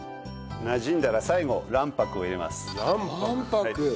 なじんだら最後卵白を入れます。